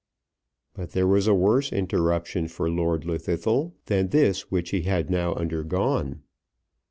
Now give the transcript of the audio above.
But there was a worse interruption for Lord Llwddythlw than this which he had now undergone.